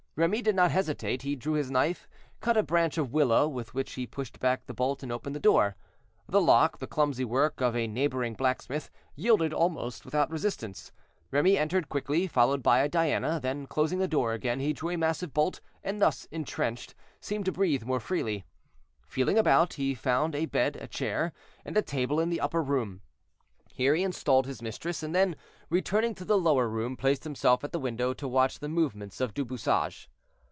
Remy did not hesitate; he drew his knife, cut a branch of willow, with which he pushed back the bolt and opened the door. The lock, the clumsy work of a neighboring blacksmith, yielded almost without resistance. Remy entered quickly, followed by Diana, then, closing the door again, he drew a massive bolt, and thus intrenched, seemed to breathe more freely. Feeling about, he found a bed, a chair, and a table in an upper room. Here he installed his mistress, and then, returning to the lower room, placed himself at the window, to watch the movements of Du Bouchage.